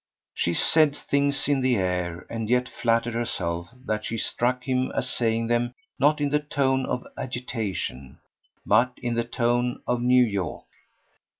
She said things in the air, and yet flattered herself that she struck him as saying them not in the tone of agitation but in the tone of New York.